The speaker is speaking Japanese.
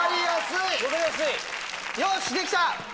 よしできた！